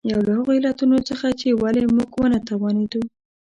یو له هغو علتونو څخه چې ولې موږ ونه توانېدو.